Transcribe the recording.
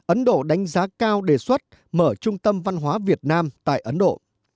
ấn độ đánh giá cao đề xuất mở trung tâm văn hóa việt nam tại ấn độ